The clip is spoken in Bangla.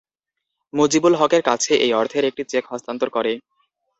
মুজিবুল হকের কাছে এই অর্থের একটি চেক হস্তান্তর করে।